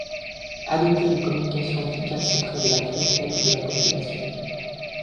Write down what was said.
Adopter une communication efficace auprès de la clientèle ou de la population.